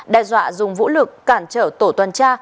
đe dọa dùng vũ lực cản trở tổ tuần tra